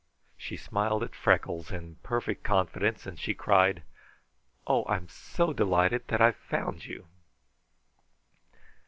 She was smiling at Freckles in perfect confidence, and she cried: "Oh, I'm so delighted that I've found you!"